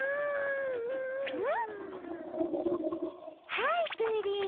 はいプリン。